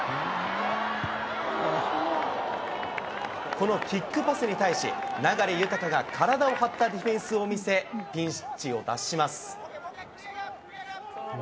このキックパスに対し、流大が体を張ったディフェンスを見せ、ピンチを脱します。